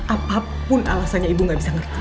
apapun alasannya ibu gak bisa ngerti